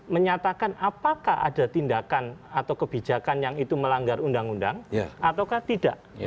menyatakan apakah ada tindakan atau kebijakan yang itu melanggar undang undang atau tidak